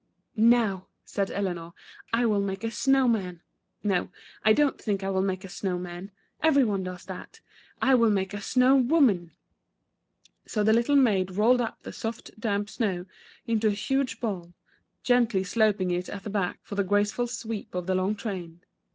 "Now," said Eleanor, "I will make a snow man. No, I don't think I will make a snow man. Every one does that. I will make a s7ww womany So the little maid rolled up the soft, damp snow into a huge ball, gently sloping it at the back for the graceful sweep of the long train.